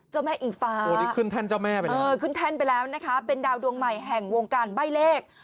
เจ้าแม่อิงฟ้าขึ้นแทนไปแล้วนะคะเป็นดาวดวงใหม่แห่งวงการใบเลข